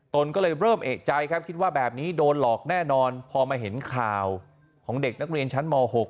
ตนก็เลยเริ่มเอกใจครับคิดว่าแบบนี้โดนหลอกแน่นอนพอมาเห็นข่าวของเด็กนักเรียนชั้นม๖